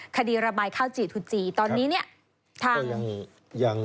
คดีระบายข้าวจี่ทุจีตอนนี้เนี่ย